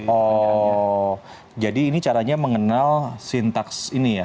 oh jadi ini caranya mengenal sintaks ini ya